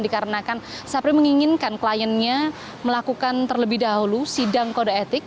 dikarenakan sapri menginginkan kliennya melakukan terlebih dahulu sidang kode etik